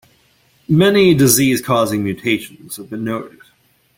Many disease-causing mutations have been noted.